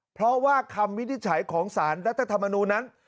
เพราะว่าคำวินิจฉัยของสารรัฐธรรมนูลนั้น